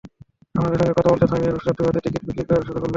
আমাদের সঙ্গে কথা বলা থামিয়ে নুসরাত দুহাতে টিকিট বিক্রি শুরু করলেন।